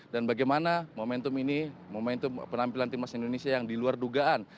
dan bagaimana momentum ini momentum penampilan tim nasional indonesia yang diluar dugaan